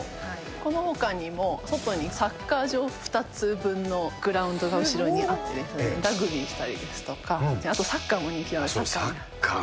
このほかにも、外にサッカー場、２つ分のグラウンドが後ろにあってですね、ラグビーしたりですとか、あとサッカーも人気なので、サッカー。